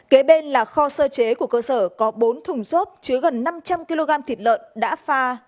kế bên là kho sơ chế của cơ sở có bốn thùng xốp chứa gần năm trăm linh kg thịt lợn đã pha